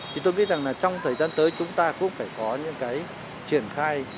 thì tôi nghĩ rằng là trong thời gian tới chúng ta cũng phải có những cái triển khai